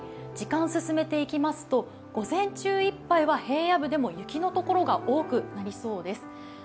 時間を進めていきますと午前中いっぱいは平野部でも雪のところが多くなりそうです。